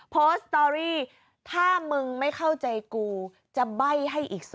สตอรี่ถ้ามึงไม่เข้าใจกูจะใบ้ให้อีก๒